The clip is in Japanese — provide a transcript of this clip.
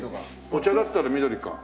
お茶だったら緑か。